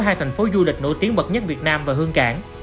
hai thành phố du lịch nổi tiếng bậc nhất việt nam và hương cạn